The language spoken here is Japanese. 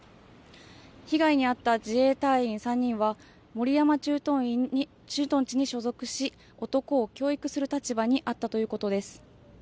被害に遭った自衛隊員３人は、守山駐屯地に所属し、男を教育する立場にあったということです。